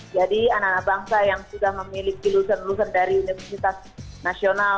jadi anak anak bangsa yang sudah memiliki lulusan lulusan dari universitas nasional